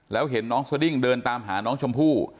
แล้วเห็นน้องสดิ้งเดินตามหาน้องชมพู่